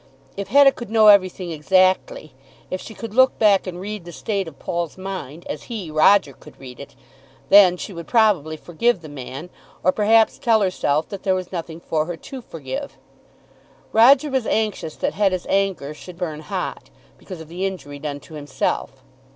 If Hetta could know everything exactly, if she could look back and read the state of Paul's mind as he, Roger, could read it, then she would probably forgive the man, or perhaps tell herself that there was nothing for her to forgive. Roger was anxious that Hetta's anger should burn hot, because of the injury done to himself.